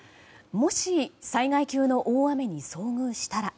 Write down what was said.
もし災害級の大雨に遭遇したら。